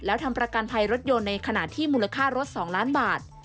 แล้วทำประกันภัยรถยนต์ในขณะที่มูลค่ารถ๒ล้านบาท